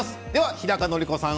日高のり子さん